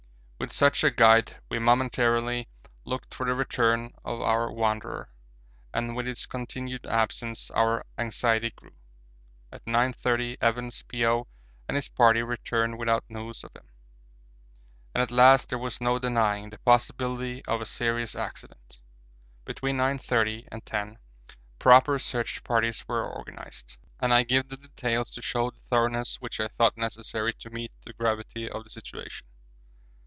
With such a guide we momentarily looked for the return of our wanderer, and with his continued absence our anxiety grew. At 9.30 Evans, P.O., and his party returned without news of him, and at last there was no denying the possibility of a serious accident. Between 9.30 and 10 proper search parties were organised, and I give the details to show the thoroughness which I thought necessary to meet the gravity of the situation.